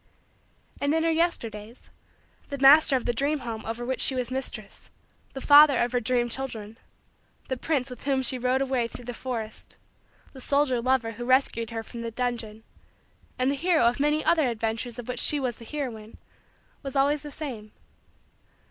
And, in her Yesterdays, the master of the dream home over which she was mistress the father of her dream children the prince with whom she rode away through the forest the soldier lover who rescued her from the dungeon and the hero of many other adventures of which she was the heroine was always the same.